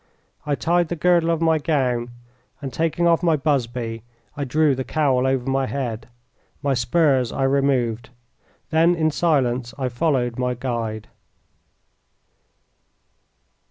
I tied the girdle of my gown, and taking off my busby, I drew the cowl over my head. My spurs I removed. Then in silence I followed my guide.